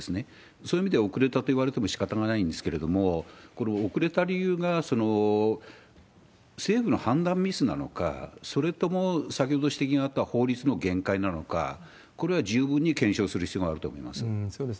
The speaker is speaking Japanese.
そういう意味では遅れたといわれてもしかたがないんですけれども、これ、遅れた理由が政府の判断ミスなのか、それとも先ほど指摘があった法律の限界なのか、これは十分に検証する必要があると思います。